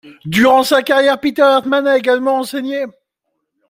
Durant sa carrière, Peter Hertmans a également enseigné.